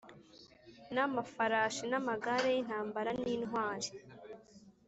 N amafarashi n amagare y intambara n intwari